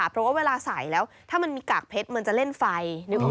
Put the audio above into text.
เพราะว่าเวลาใส่แล้วถ้ามันมีกากเพชรมันจะเล่นไฟนึกออก